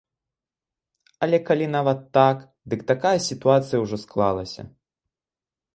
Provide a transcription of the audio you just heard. Але калі нават так, дык такая сітуацыя ўжо склалася.